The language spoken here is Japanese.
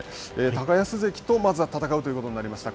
高安関とまずは戦うということになりました。